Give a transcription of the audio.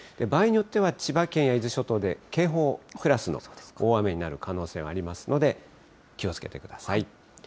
場合によっては、千葉県や伊豆諸島で警報クラスの大雨になる可能性がありますので、気をつけてください。